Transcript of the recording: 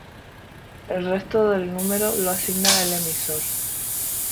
El resto del número lo asigna el emisor.